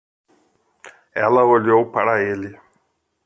Ela olhou para ele.